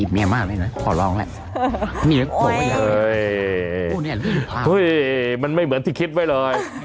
เฮ่ยมันไม่เหมือนที่คิดไปเลย